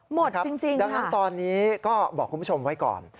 จริงดังนั้นตอนนี้ก็บอกคุณผู้ชมไว้ก่อน